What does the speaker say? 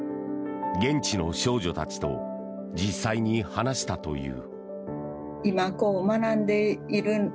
現地の少女たちと実際に話したという。